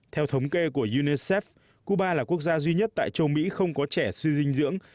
theo thống kê của unicef cuba là quốc gia duy nhất tại châu mỹ không có trẻ suy dinh dưỡng